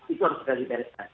itu harus juga dibereskan